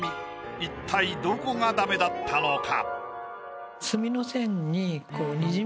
一体どこがダメだったのか？